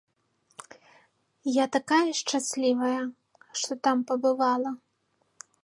Я такая шчаслівая, што там пабывала!